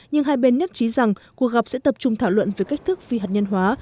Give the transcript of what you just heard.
nhưng hai bên nhất trí rằng cuộc gặp sẽ tập trung thảo luận về cách thức phi hạt nhân hóa